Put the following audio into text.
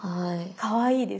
かわいいです。